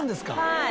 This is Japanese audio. はい。